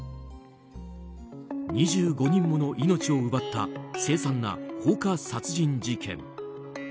２５人もの命を奪った凄惨な放火殺人事件。